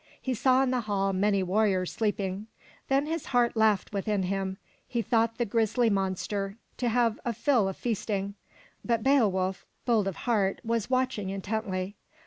He saw in the hall many war riors sleeping. Then his heart laughed within him. He thought, the grisly monster, to have a fill of feasting. But Beowulf, bold of heart, was watching intently.